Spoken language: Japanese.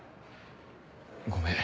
ごめん。